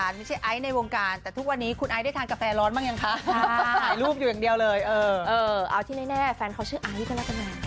ใส่ลายไอซ์มาเป็นไอซ์นอกวงการค่ะไม่ใช่ไอซ์ในวงการ